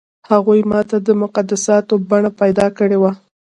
هغو ماته د مقدساتو بڼه پیدا کړې وه.